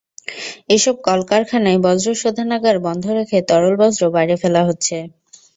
এসব কারখানায় বর্জ্য শোধনাগার বন্ধ রেখে তরল বর্জ্য বাইরে ফেলা হচ্ছে।